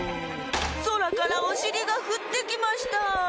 そらからおしりがふってきました。